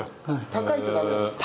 高いとダメなんですか？